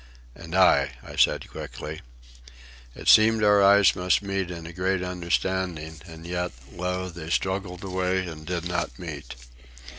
"And I," I said quickly. It seemed our eyes must meet in a great understanding, and yet, loath, they struggled away and did not meet.